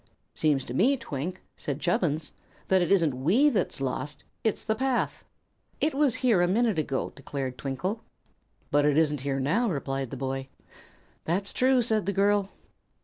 "Seems to me, Twink," said Chubbins, "that it isn't we that's lost. It's the path." "It was here a minute ago," declared Twinkle. "But it isn't here now," replied the boy. "That's true," said the girl.